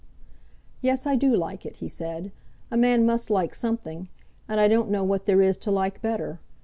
"Yes; I do like it," he said. "A man must like something, and I don't know what there is to like better.